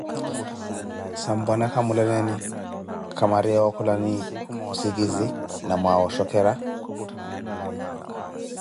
sampwana kamwinalale, kwamwaariye wookholani osikizi na mwa wooshokera?